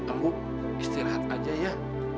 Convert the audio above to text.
ambo istirahat aja ya